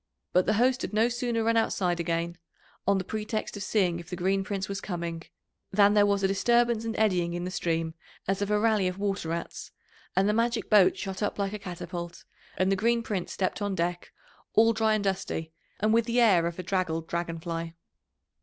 But the host had no sooner run outside again, on the pretext of seeing if the Green Prince was coming, than there was a disturbance and eddying in the stream as of a rally of water rats, and the magic boat shot up like a catapult, and the Green Prince stepped on deck all dry and dusty, and with the air of a draggled dragon fly.